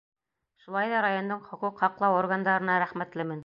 Шулай ҙа райондың хоҡуҡ һаҡлау органдарына рәхмәтлемен.